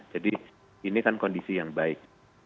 jadi ini kan kondisi yang baik